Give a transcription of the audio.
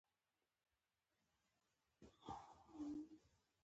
زه له ډوډۍ ضایع کولو څخه ډډه کوم.